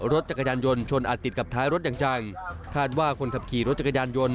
รถจักรยานยนต์ชนอาจติดกับท้ายรถอย่างจังคาดว่าคนขับขี่รถจักรยานยนต์